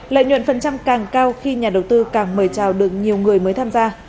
lợi nhuận phần trăm càng cao khi nhà đầu tư càng mời chào được nhiều người mới tham gia